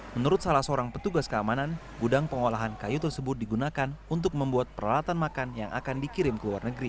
menurut salah seorang petugas keamanan gudang pengolahan kayu tersebut digunakan untuk membuat peralatan makan yang akan dikirim ke luar negeri